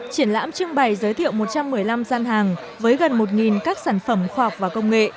triển lãm trưng bày giới thiệu một trăm một mươi năm gian hàng với gần một các sản phẩm khoa học và công nghệ